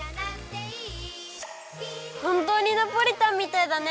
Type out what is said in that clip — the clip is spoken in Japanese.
ほんとうにナポリタンみたいだね！